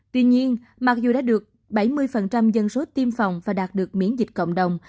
tuy nhiên mặc dù đã được bảy mươi dân số tiêm phòng và đạt được miễn dịch cộng đồng